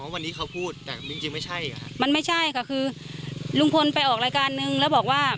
วันนี้เขาพูดแต่จริงจริงไม่ใช่ค่ะมันไม่ใช่ค่ะคือลุงพลไปออกรายการนึงแล้วบอกว่า